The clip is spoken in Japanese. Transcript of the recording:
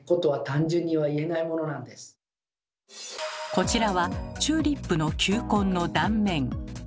こちらはチューリップの球根の断面。